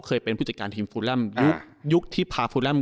เคยเป็นผู้จิตการทีมฟูเรี่ยมอ่ายุคที่พาฟูเร่ม